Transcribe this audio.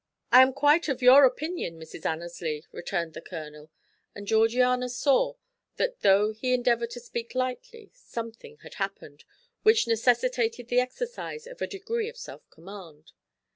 "I am quite of your opinion Mrs. Annesley," returned the Colonel, and Georgiana saw that though he endeavoured to speak lightly something had happened which necessitated the exercise of a degree of self command.